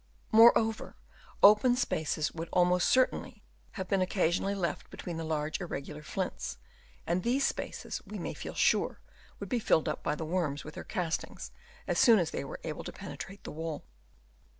Moreover open spaces would almost certainly have been occasionally left between the large irregular flints ; and these spaces, we may feel sure, would be filled up by the worms with their castings, as soon as they were able to penetrate the wall.